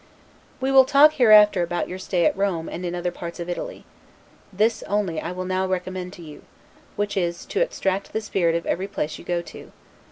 We will talk hereafter about your stay at Rome and in other parts of Italy. This only I will now recommend to you; which is, to extract the spirit of every place you go to.